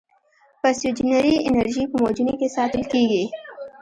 پسیوجنري انرژي په موجونو کې ساتل کېږي.